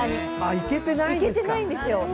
行けてないんですよ。